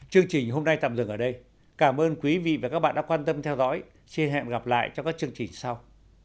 chương trình hôm nay tạm dừng ở đây cảm ơn quý vị và các bạn đã quan tâm theo dõi xin hẹn gặp lại trong các chương trình sau